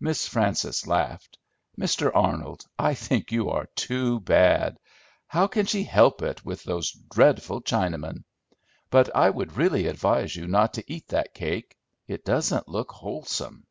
Miss Frances laughed. "Mr. Arnold, I think you are too bad. How can she help it, with those dreadful Chinamen? But I would really advise you not to eat that cake; it doesn't look wholesome."